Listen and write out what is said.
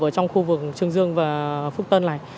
ở trong khu vực trương dương và phúc tân này